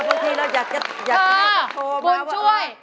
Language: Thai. เออบางทีเราอยากให้เขาโทรมาว่าเออบุญช่วย